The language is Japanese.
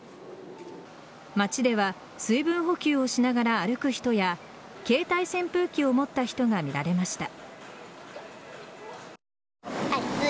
街では水分補給をしながら歩く人や携帯扇風機を持った人が見られました。